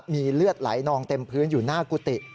มีเลือดไหลนองเต็มพื้นอยู่หน้ากุฏิ